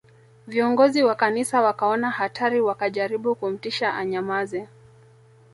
Viongozi wa Kanisa wakaona hatari wakajaribu kumtisha anyamaze